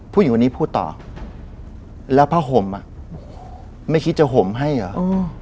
ผู้หญิงวันนี้พูดต่อแล้วพ่อห่มไม่คิดจะห่มให้หรอเออ